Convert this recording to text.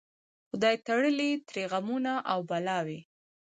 خدای تړلي ترې غمونه او بلاوي